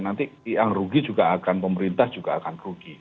nanti yang rugi juga akan pemerintah juga akan rugi